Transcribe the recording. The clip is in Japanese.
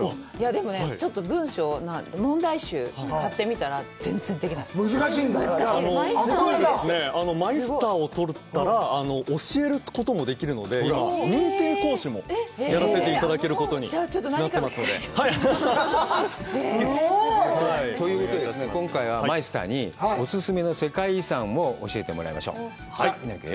でもちょっと文章問題集買ってみたら全然できない難しいんだマイスターを取ったら教えることもできるので認定講師もやらせて頂けることにじゃあ何かの機会にはいということで今回はマイスターにオススメの世界遺産を教えてもらいましょう南くん